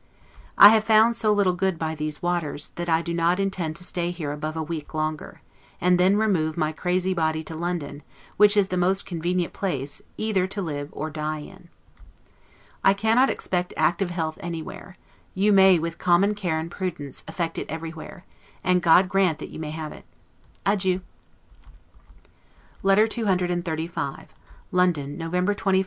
I have found so little good by these waters, that I do not intend to stay here above a week longer; and then remove my crazy body to London, which is the most convenient place either to live or die in. I cannot expect active health anywhere; you may, with common care and prudence, effect it everywhere; and God grant that you may have it! Adieu. LETTER CCXXXV LONDON, November 21, 1758.